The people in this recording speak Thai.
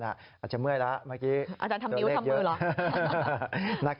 อาจารย์ทำเดี๋ยวทำเวลา